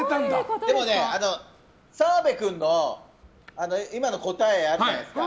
でも、澤部君の今の答えあるじゃないですか。